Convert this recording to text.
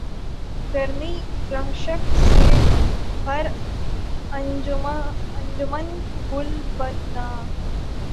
گرمئی رشک سے ہر انجمن گل بدناں